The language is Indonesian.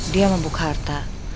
dia membuk harta